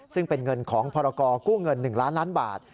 ซึ่งเป็นเงินของพรกู้เงิน๑ล้านล้านบาท